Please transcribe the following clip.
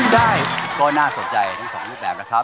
ได้ก็น่าสนใจทั้งสองรูปแบบนะครับ